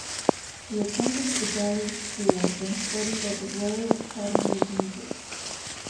She attended Bedales School then studied at the Royal Academy of Music.